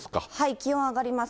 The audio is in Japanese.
気温が上がります。